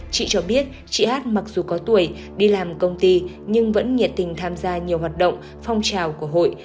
chị cho biết chị hát mặc dù có tuổi đi làm công ty nhưng vẫn nhiệt tình tham gia nhiều hoạt động phong trào của hội